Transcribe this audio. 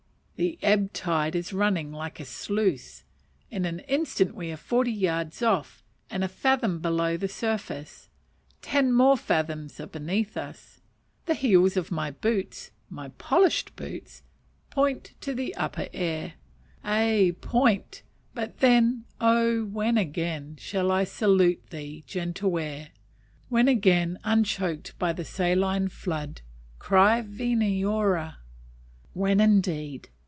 The ebb tide is running like a sluice; in an instant we are forty yards off, and a fathom below the surface; ten more fathoms are beneath us. The heels of my boots, my polished boots, point to the upper air ay, point; but when, oh, when again, shall I salute thee, gentle air; when again, unchoked by the saline flood, cry Veni, aura? When, indeed!